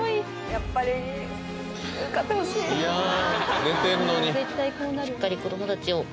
やっぱり受かってほしいなぁ